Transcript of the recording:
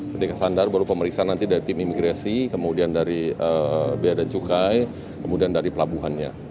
ketika standar baru pemeriksaan nanti dari tim imigresi kemudian dari bnc kemudian dari pelabuhannya